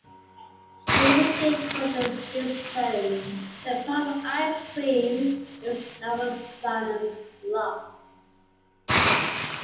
Stephen King quoted Stevens's poem "The Emperor of Ice-Cream" in his novel "'Salem's Lot".